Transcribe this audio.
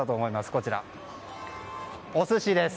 こちら、お寿司です。